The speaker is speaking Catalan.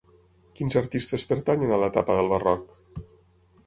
Quins artistes pertanyen a l'etapa del Barroc?